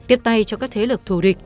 tiếp tay cho các thế lực thù địch